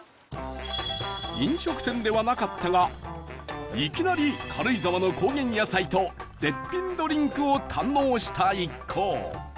飲食店ではなかったがいきなり軽井沢の高原野菜と絶品ドリンクを堪能した一行